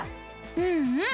うんうん！